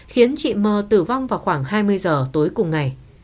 khiến chị mờ tử vong vào khoảng hai mươi giờ tối cùng ngày